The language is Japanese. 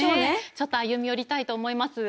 ちょっと歩み寄りたいと思います。